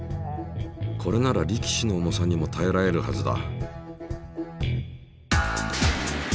これなら力士の重さにもたえられるはずだ。